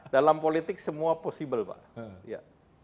dalam politik semua possible pak